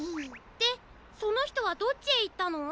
でそのひとはどっちへいったの？